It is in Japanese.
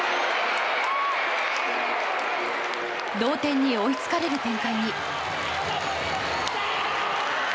同点に追いつかれる展開に。